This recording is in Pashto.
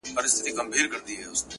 پر دې لاره به یې سل ځلی وه وړي-